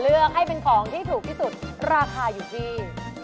เลือกให้เป็นของที่ถูกที่สุดราคาอยู่ที่